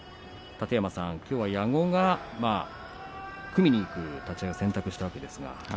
楯山さん、きょうは矢後が組みにいく立ち合いを選択したわけですが。